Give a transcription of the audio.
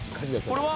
これは？